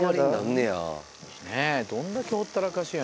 ねぇどんだけほったらかしやねん。